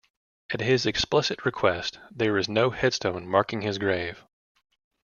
At his explicit request, there is no headstone marking his grave.